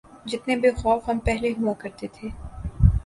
جتنے بے خوف ہم پہلے ہوا کرتے تھے۔